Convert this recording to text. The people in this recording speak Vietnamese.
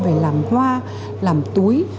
về làm hoa làm túi